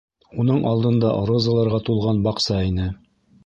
Уның алдында розаларға тулған баҡса ине.